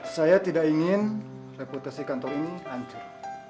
saya tidak ingin reputasi kantor ini hancur